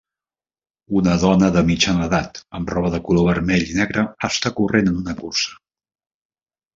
Una dona de mitjana edat amb roba de color vermell i negre està corrent en una cursa.